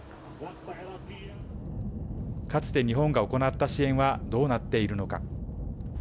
かつて日本が行った支援はどうなっているのか。